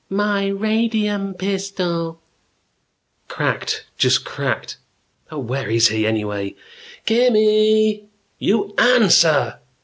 "'My rad ium pis tol '" "Cracked just cracked. Oh, where IS he, anyway? Kimmm eee, you AN swer!"